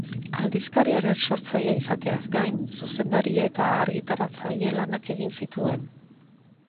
Aldizkariaren sortzailea izateaz gain, zuzendari eta argitaratzaile lanak egin zituen.